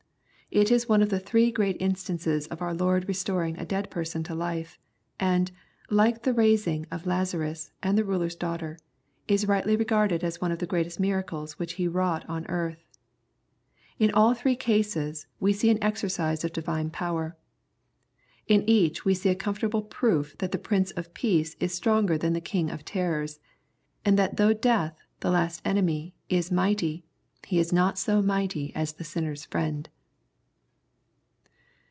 It is one of the three great instances of our Lord restoring a dead person to life, and, like the raising of Lazarus and the ruler's daughter, is rightly regarded as one of the greatest miracles which He wmught on earth. In all three cases, we see an exercise of divine power. In each we see a comfortable proof that the Prince of Peace is stronger than the king of tenders, and that though death, the last enemy, is mighty, he is not so mighty as the sinner's Friend.